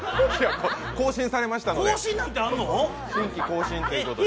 更新されましたので。